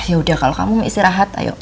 yaudah kalau kamu mau istirahat ayo